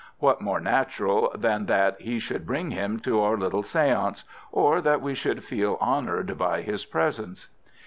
What more natural than that he should bring him to our little séance, or that we should feel honoured by his presence?